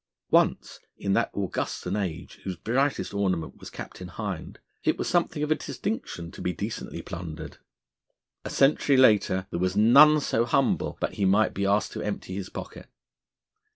Once in that Augustan age, whose brightest ornament was Captain Hind it was something of a distinction to be decently plundered. A century later there was none so humble but he might be asked to empty his pocket.